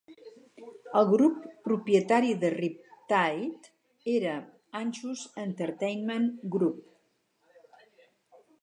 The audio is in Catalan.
El grup propietari de Riptide era Anschutz Entertainment Group.